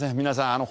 皆さん